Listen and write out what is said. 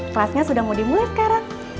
kelasnya sudah mau dimulai sekarang